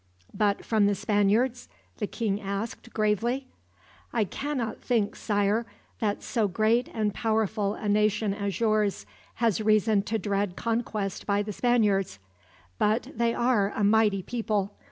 "But from the Spaniards?" the king asked, gravely. "I cannot think, Sire, that so great and powerful a nation as yours has reason to dread conquest by the Spaniards. But they are a mighty people.